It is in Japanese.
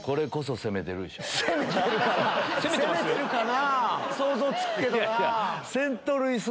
攻めてるな！